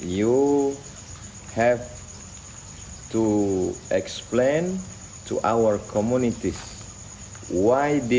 anda harus menjelaskan kepada komunitas kita